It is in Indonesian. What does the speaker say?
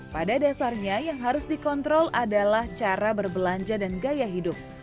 pada dasarnya yang harus dikontrol adalah cara berbelanja dan gaya hidup